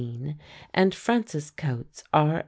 and Francis Cotes, R.